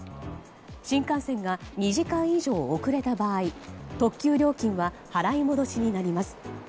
新幹線が２時間以上遅れた場合特急料金は払い戻しになります。